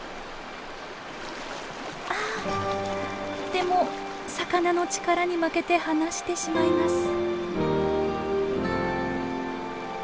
でも魚の力に負けて離してしまいます。